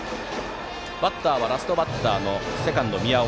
バッターはラストバッターのセカンド、宮尾。